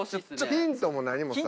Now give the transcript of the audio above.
ヒントも何もさ。